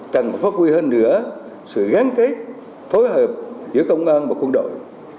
cần phát huy hơn nữa sự gắn kết phối hợp giữa công an và quân đội